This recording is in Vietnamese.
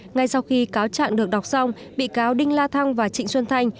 ngay sau khi cáo trạng được đọc xong bị cáo đinh la thăng và trịnh xuân thanh